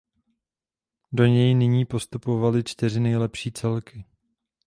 Do něj nyní postupovaly čtyři nejlepší celky.